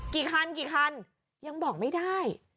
กี่คันยังบอกไม่ได้